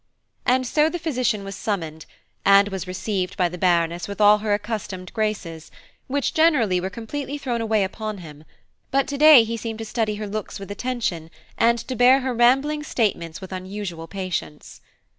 And so the physician was summoned, and was received by the Baroness with all her accustomed graces, which generally were completely thrown away upon him; but to day he seemed to study her looks with attention, and to bear her rambling statements with unusual patience.